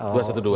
dua satu dua